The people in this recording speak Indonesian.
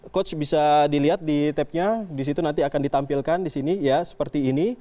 coach bisa dilihat di tab nya di situ nanti akan ditampilkan di sini ya seperti ini